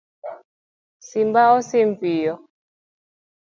Simba osim piyo